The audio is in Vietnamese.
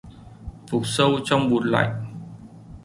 vục sâu trong bùn lạnh?